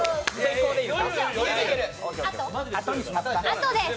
あとです。